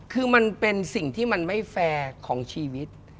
คือมันเป็นสิ่งที่มันไม่แฟร์ของชีวิต